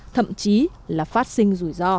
thậm chí là phát sinh